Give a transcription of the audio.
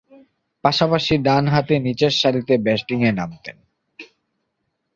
পাশাপাশি ডানহাতে নিচের সারিতে ব্যাটিংয়ে নামতেন।